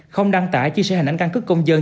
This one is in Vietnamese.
không đăng tải chia sẻ hình ảnh căn cứ công dân